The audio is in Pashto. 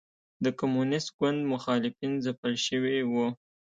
د کمونېست ګوند مخالفین ځپل شوي وو.